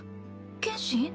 剣心？